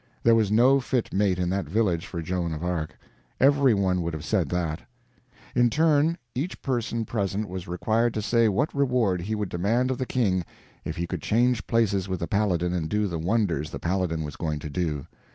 There was no fit mate in that village for Joan of Arc. Every one would have said that. In turn, each person present was required to say what reward he would demand of the King if he could change places with the Paladin and do the wonders the Paladin was going to do.